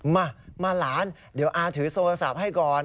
มามาหลานเดี๋ยวอาถือโทรศัพท์ให้ก่อน